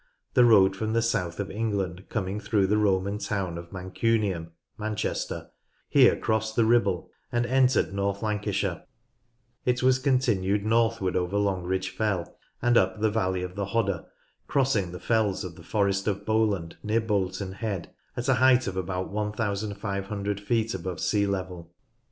The road from the south of England coming through the Roman town of Mancunium (Manchester) here crossed the Ribble and entered North Lancashire. It was continued northward over Longridge Fell, and up the valley of the Hodder, crossing the fells of the Forest Borwick Hall, Carnforth of Bowland near Bolton Head at a height of about 1500 feet above sea level.